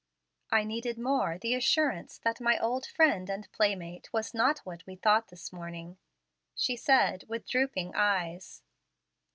"I needed more the assurance that my old friend and playmate was not what we thought this morning," she said, with drooping eyes.